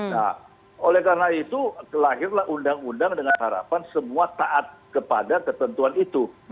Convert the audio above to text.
nah oleh karena itu kelahirlah undang undang dengan harapan semua taat kepada ketentuan itu